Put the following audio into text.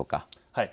はい。